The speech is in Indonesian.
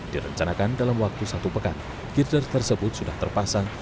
direncanakan dalam waktu satu pekan gearder tersebut sudah terpasang